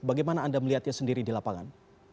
bagaimana anda melihatnya sendiri di lapangan